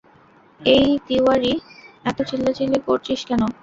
এই তিওয়ারি, এতো চিল্লাচিল্লি করচিস কেন?